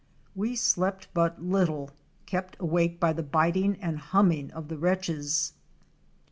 We slept but little, kept awake by the biting and humming of the wretches.